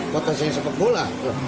protesnya seperti bola